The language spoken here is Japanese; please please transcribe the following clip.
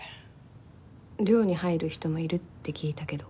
寮に入る人もいるって聞いたけど。